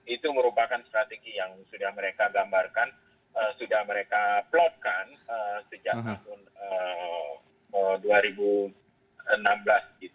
itu merupakan strategi yang sudah mereka gambarkan sudah mereka plotkan sejak tahun dua ribu enam belas itu